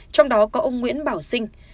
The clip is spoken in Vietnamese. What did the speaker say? trong đó có ông nguyễn bảo sinh